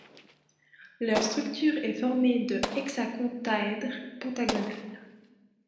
Leur structure est formée de Hexacontaèdre pentagonal.